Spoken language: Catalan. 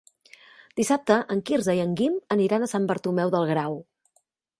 Dissabte en Quirze i en Guim aniran a Sant Bartomeu del Grau.